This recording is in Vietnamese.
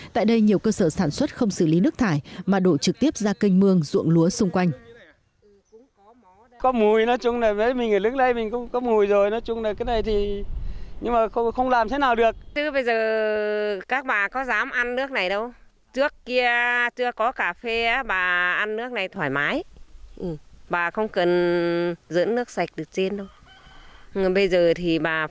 tại đây nhiều cơ sở sản xuất không xử lý nước thải mà đổ trực tiếp ra kênh mương ruộng lúa xung quanh